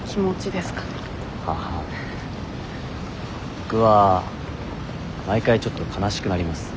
僕は毎回ちょっと悲しくなります。